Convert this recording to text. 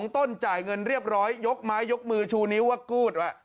ต้นจ่ายเงินเรียบร้อยยกไม้ยกมือชูนิ้วว่ากูธ